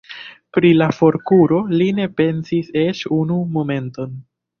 Pri la forkuro li ne pensis eĉ unu momenton.